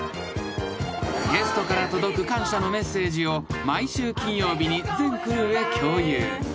［ゲストから届く感謝のメッセージを毎週金曜日に全クルーへ共有］